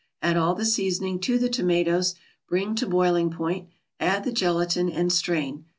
Add all the seasoning to the tomatoes, bring to boiling point, add the gelatin, and strain.